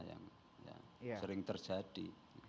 yang sering terjadi